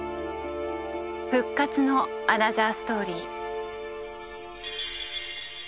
復活のアナザーストーリー。